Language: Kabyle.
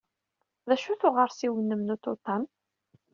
D acu-t uɣersiw-nnem n ututam?